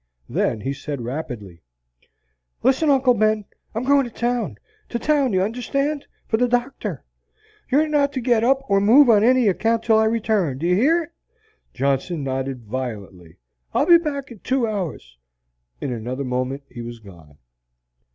Then he said rapidly: "Listen, Uncle Ben. I'm goin' to town to town, you understand for the doctor. You're not to get up or move on any account until I return. Do you hear?" Johnson nodded violently. "I'll be back in two hours." In another moment he was gone.